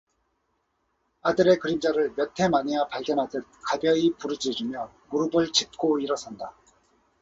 아들의 그림자를 몇 해 만에야 발견하듯 가벼이 부르짖으며 무릎을 짚고 일어선다.